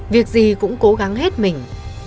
việc gì cũng cố gắng hết mình